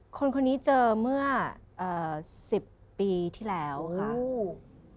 คนคนนี้เจอเมื่อ๑๐ปีที่แล้วค่ะ